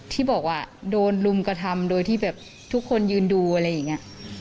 ที่บอกว่าโดนรุมกระทำโดยที่แบบทุกคนยืนดูอะไรอย่างนี้